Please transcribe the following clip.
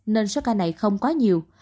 nên số ca này không quá nhiều